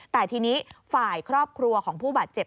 แต่ทีนี้ฝ่ายครอบครัวของผู้บาดเจ็บ